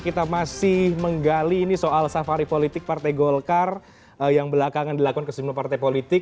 kita masih menggali ini soal safari politik partai golkar yang belakangan dilakukan ke sejumlah partai politik